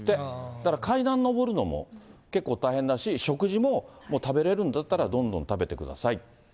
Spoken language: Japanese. だから階段上るのも結構大変だし、食事も食べれるんだったら、どんどん食べてくださいって。